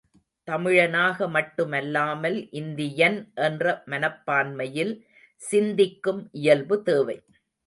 தமிழனாக மட்டுமல்லாமல் இந்தியன் என்ற மனப்பான்மையில் சிந்திக்கும் இயல்பு தேவை.